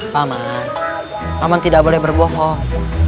pak man pak man tidak boleh berbohong